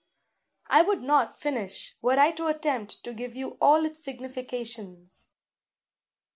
I should not finish, were I to attempt to give you all its significations.